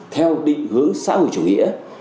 theo định hướng xã hội chủ nghĩa